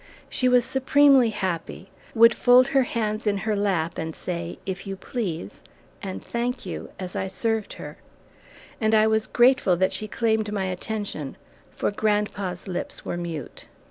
She was supremely happy, would fold her hands in her lap and say, "If you please," and "Thank you," as I served her; and I was grateful that she claimed my attention, for grandpa's lips were mute.